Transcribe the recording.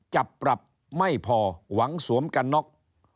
หวังสวมกันน๊อก๑๐๐